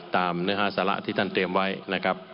เนื้อหาสาระที่ท่านเตรียมไว้นะครับ